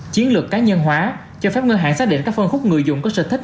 chiến lược cá nhân hóa cho phép ngân hàng xác định các phân khúc người dùng có sở thích